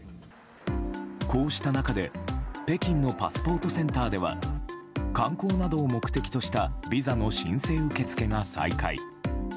こうした中で北京のパスポートセンターでは観光などを目的としたビザの申請受付が再開。